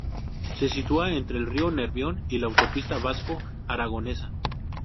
Se sitúa entre el río Nervión y la autopista vasco-aragonesa.